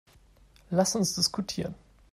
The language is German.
Lass uns diskutieren.